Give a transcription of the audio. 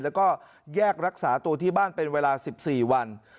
แล้วก็แยกรักษาตัวที่บ้านเป็นเวลา๑๔วัน